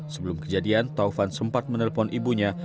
sebelum kejadian taufan sempat menelpon ibunya